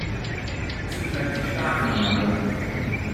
Sie unterscheiden sich stark voneinander.